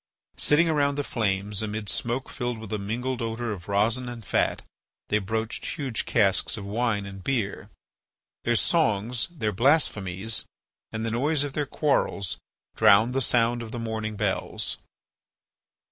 Sitting around the flames, amid smoke filled with a mingled odour of resin and fat, they broached huge casks of wine and beer. Their songs, their blasphemies, and the noise of their quarrels drowned the sound of the morning bells.